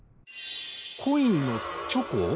コインのチョコ？